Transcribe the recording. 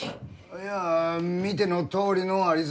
いや見てのとおりのありさまだ。